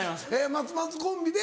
松松コンビで？